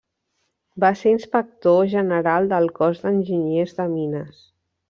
Va ser inspector general del Cos d'Enginyers de Mines.